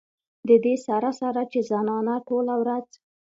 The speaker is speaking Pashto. د دې سره سره چې زنانه ټوله ورځ